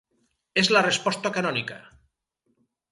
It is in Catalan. És la resposta canònica.